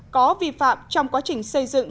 có vi phạm trong quá trình xây dựng